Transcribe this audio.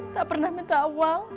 tak pernah minta uang